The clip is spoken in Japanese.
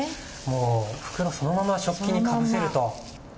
袋そのまま食器にかぶせると。